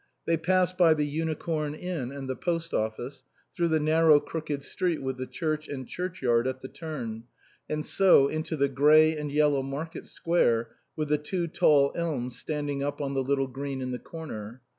They passed by the Unicorn Inn and the Post Office, through the narrow crooked street with the church and churchyard at the turn; and so into the grey and yellow Market Square with the two tall elms standing up on the little green in the corner.